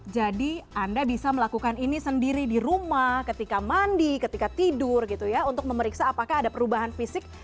jadi anda bisa melakukan ini sendiri di rumah ketika mandi ketika tidur gitu ya untuk memeriksa apakah ada perubahan fisik